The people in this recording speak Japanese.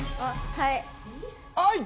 はい。